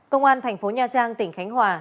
công an thành phố nha trang tỉnh khánh hòa